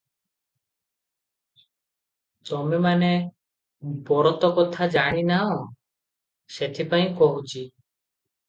ତମେମାନେ ବରତ କଥା ଜାଣି ନାହଁ; ସେଥିପାଇଁ କହୁଛି ।